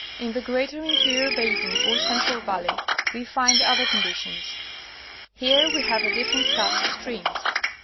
In the greater interior basin or central valley, we find other con ditions. Here we have a different class of streams.